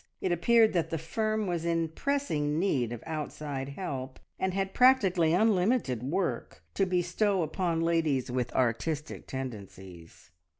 It appeared that the firm was in pressing need of outside help, and had practically unlimited work to bestow upon ladies "with artistic tendencies."